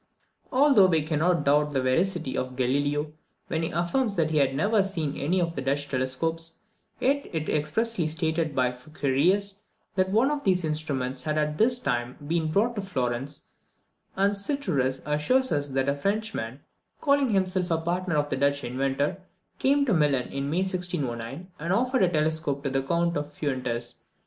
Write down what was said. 69. Although we cannot doubt the veracity of Galileo, when he affirms that he had never seen any of the Dutch telescopes, yet it is expressly stated by Fuccarius, that one of these instruments had at this time been brought to Florence; and Sirturus assures us that a Frenchman, calling himself a partner of the Dutch inventor, came to Milan in May 1609, and offered a telescope to the Count de Fuentes.